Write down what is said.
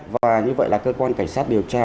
và như vậy là cơ quan cảnh sát điều tra